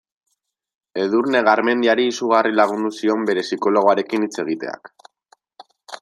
Edurne Garmendiari izugarri lagundu zion bere psikologoarekin hitz egiteak.